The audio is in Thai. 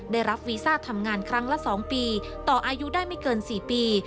ได้รับวีซ่าทำงานครั้งละ๒ปีต่ออายุได้ไม่เกิน๔ปี